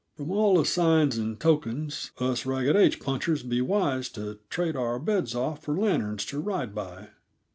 From all the signs and tokens, us Ragged H punchers'll be wise to trade our beds off for lanterns to ride by.